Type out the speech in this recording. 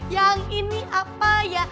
yang ini apa ya